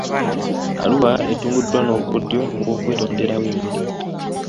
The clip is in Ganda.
Arua etumbuddwa n'obukodyo obw'okwetonderawo emirimu .